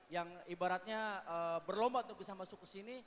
yang ibaratnya berlomba untuk bisa masuk kesini